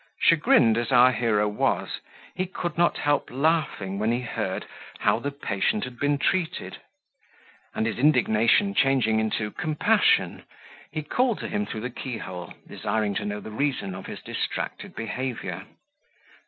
Chagrined as our hero was, he could not help laughing when he heard how the patient had been treated; and his indignation changing into compassion, he called to him through the keyhole, desiring to know the reason of his distracted behaviour.